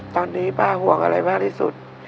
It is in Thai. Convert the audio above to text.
ตอนนี้ป้าห่วงอะไรมากที่สุด